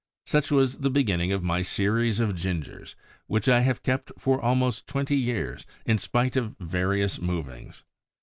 Such was the beginning of my series of Gingers, which I have kept for almost twenty years, in spite of various movings.